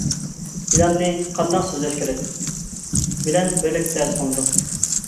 «پىلاننى قانداق سۆزلەش كېرەك؟ » بىلەن بىرلىكتە دەرس قىلىنىدۇ.